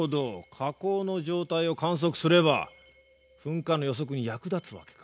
火口の状態を観測すれば噴火の予測に役立つわけか。